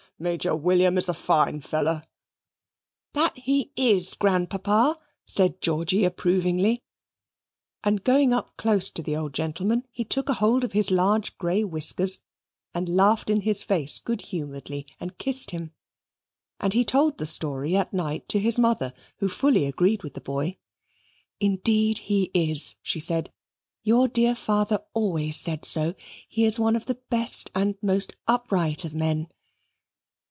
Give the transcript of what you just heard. Ha! ha! Major William is a fine feller." "That he is, Grandpapa," said Georgy approvingly; and going up close to the old gentleman, he took a hold of his large grey whiskers, and laughed in his face good humouredly, and kissed him. And he told the story at night to his mother, who fully agreed with the boy. "Indeed he is," she said. "Your dear father always said so. He is one of the best and most upright of men."